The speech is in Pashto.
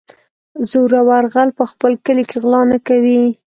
زورور غل په خپل کلي کې غلا نه کوي.